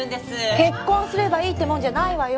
結婚すればいいってもんじゃないわよ？